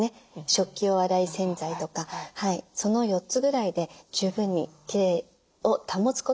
食器洗い用洗剤とかその４つぐらいで十分にきれいを保つことができます。